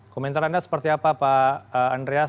komentar anda seperti apa pak andreas